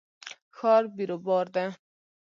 ښار بیروبار ده